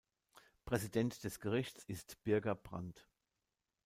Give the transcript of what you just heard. Präsident des Gerichts ist Birger Brandt.